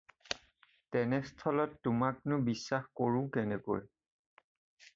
তেনেস্থলত তােমাকনাে বিশ্বাস কৰোঁ কেনেকৈ?